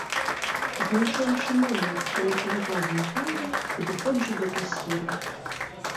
Знайшоўшы момант, калі чарга знікае, падыходжу да касіра.